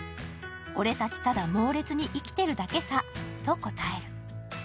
俺たち、ただモーレツに生きてるだけさと答える。